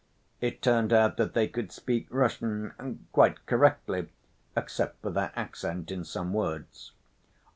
It turned out that they could speak Russian quite correctly except for their accent in some words.